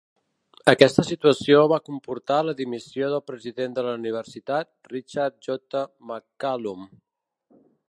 Aquesta situació va comportar la dimissió del president de la universitat, Richard J. McCallum.